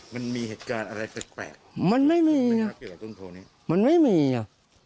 มันมีเหตุการณ์อะไรแปลกแปลกมันไม่มีเนอะมันไม่มีเนอะ